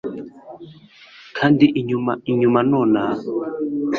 Kandi inyuma inyuma nonaha